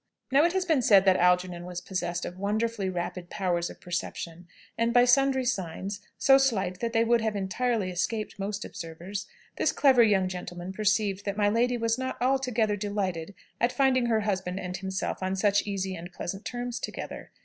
Now it has been said that Algernon was possessed of wonderfully rapid powers of perception, and by sundry signs, so slight that they would have entirely escaped most observers, this clever young gentleman perceived that my lady was not altogether delighted at finding her husband and himself on such easy and pleasant terms together.